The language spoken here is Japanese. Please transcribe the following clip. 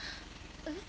えっ？